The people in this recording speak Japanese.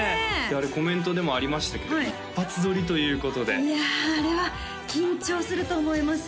あれコメントでもありましたけど一発撮りということでいやあれは緊張すると思いますよ